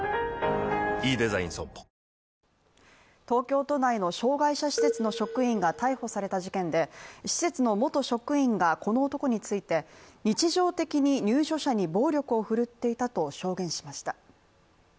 東京都内の障害者施設の職員が逮捕された事件で施設の元職員がこの男について日常的に入所者に暴力を振るっていたと証言しました。